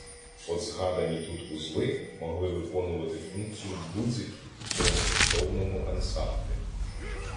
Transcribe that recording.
От згадані тут вузли могли виконувати функцію ґудзиків у цьому коштовному ансамблі.